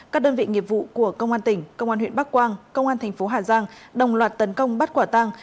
các đơn vị nghiệp vụ của công an tỉnh công an huyện bắc quang công an thành phố hà giang đồng loạt tấn công bắt quả tăng